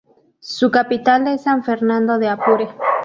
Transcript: Su capital es San Fernando de Apure.